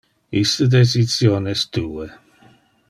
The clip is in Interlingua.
Iste decision es tue.